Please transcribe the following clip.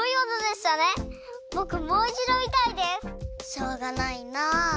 しょうがないな。